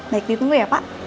naik ditunggu ya pak